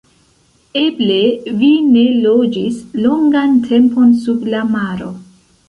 Eble vi ne loĝis longan tempon sub la maro.